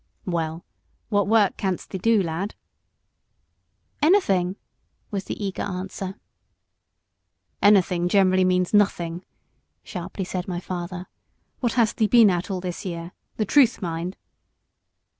"Well, what work canst thee do, lad?" "Anything," was the eager answer. "Anything generally means nothing," sharply said my father; "what hast thee been at all this year? The truth, mind!"